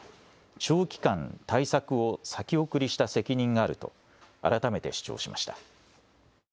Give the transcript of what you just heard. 長期間、対策を先送りした責任があると改めて主張しました。